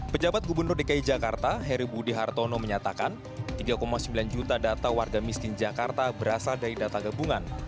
pejabat gubernur dki jakarta heru budi hartono menyatakan tiga sembilan juta data warga miskin jakarta berasal dari data gabungan